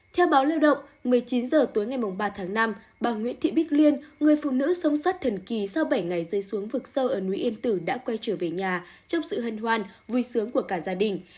theo báo lưu động một mươi chín h tối ngày ba tháng năm bà nguyễn thị bích liên người phụ nữ sống sát thần kỳ sau bảy ngày rơi xuống vực sâu ở núi yên tử đã quay trở về nhà trong sự hân hoan vui sướng của cả gia đình